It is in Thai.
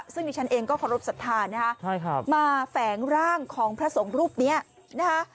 ซึ่งฉันเองก็ขอรบศัทรานะฮะมาแฝงร่างของพระทรงรูปนี้นะฮะ